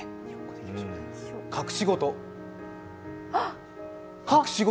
隠し事？